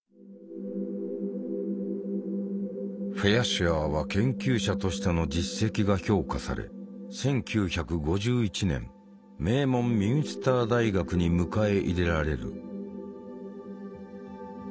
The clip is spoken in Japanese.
シュアーは研究者としての実績が評価され１９５１年名門ミュンスター大学に迎え入れられる。